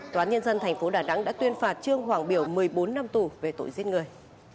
tòa nhân dân tp đà nẵng đã tuyên phạt trương hoàng biểu một mươi bốn năm tù về tội giết người